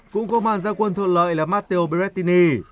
cũng có màn gia quân thuận lợi là matteo beretta